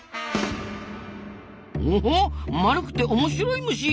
おっ丸くて面白い虫！